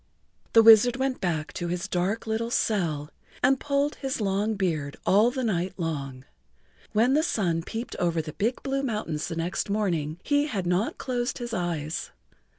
The wizard went back to his dark little cell and pulled his long beard all the night long. When the sun peeped over the big blue mountains the next morning he had not closed his eyes.